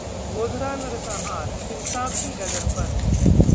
गोधरा नरसंहार: इंसाफ की डगर पर